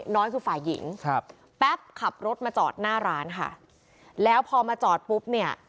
น้อยคือฝ่ายหญิงครับแป๊บขับรถมาจอดหน้าร้านค่ะแล้วพอมาจอดปุ๊บเนี่ย